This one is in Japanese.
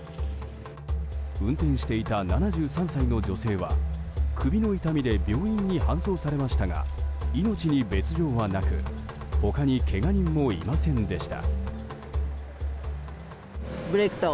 運転していた７３歳の女性は首の痛みで病院に搬送されましたが命に別条はなく他にけが人もいませんでした。